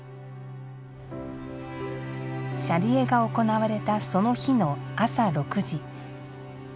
舎利会が行われたその日の朝６時。